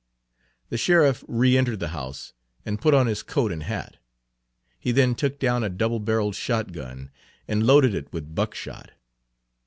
The sheriff reëntered the house, and put on his coat and hat. He then took down a double barreled shotgun and loaded it with buckshot.